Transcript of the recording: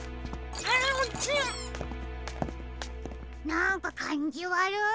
なんかかんじわる。